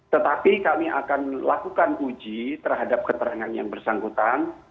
tetapi kami akan lakukan uji terhadap keterangan yang bersangkutan